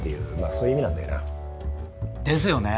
そういう意味なんだよな。ですよね。